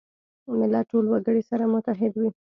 ملت ټول وګړي سره متحد وي.